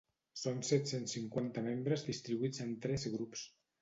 Són set-cents cinquanta membres distribuïts en tres grups.